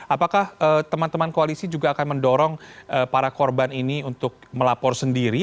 apakah teman teman koalisi juga akan mendorong para korban ini untuk melapor sendiri